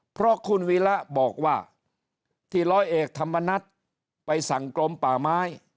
เพราะคุณวีระบอกว่าที่ร้อยเอกธรรมนัฏไปสั่งกรมป่าไม้